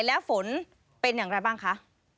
แล้วฝนเป็นอย่างไรบ้างคะ